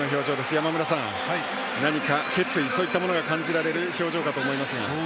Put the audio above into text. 山村さん、何か決意そういったものが感じられる表情かと思いますが。